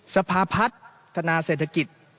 สภาพัฒนาเศรษฐกิจ